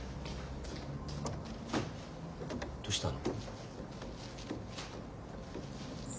どしたの？